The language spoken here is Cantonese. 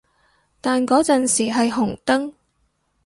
但嗰陣時係紅燈